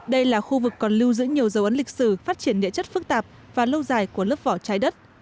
đây là khu vực còn lưu giữ nhiều dấu ấn lịch sử phát triển địa chất phức tạp và lâu dài của lớp vỏ trái đất